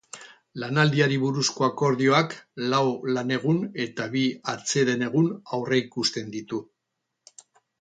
Lanaldiari buruzko akordioak lau lanegun eta bi atseden-egun aurreikusten ditu.